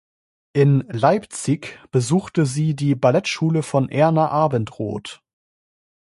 In Leipzig besuchte sie die Ballettschule von Erna Abendroth.